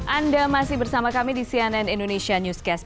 anda masih bersama kami di cnn indonesia newscast